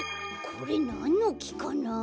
これなんのきかな？